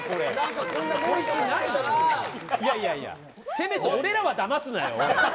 せめて俺らはだますなよ！